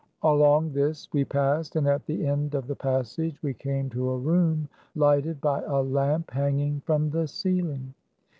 Along this we passed, and at the end of the passage we came to a room lighted by a lamp hanging from the ceiling.